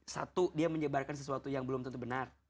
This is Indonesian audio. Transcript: satu dia menyebarkan sesuatu yang belum tentu benar